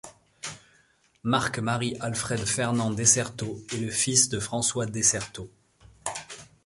Marc-Marie-Alfred-Fernand Desserteaux est le fils de François Desserteaux.